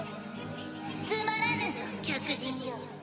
・つまらぬぞ客人よ・・